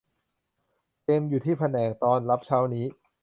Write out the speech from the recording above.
เจมส์ อยู่ที่แผนกต้อนรับเช้านี้